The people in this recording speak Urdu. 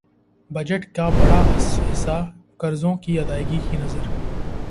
بجٹ کا بڑا حصہ قرضوں کی ادائیگی کی نذر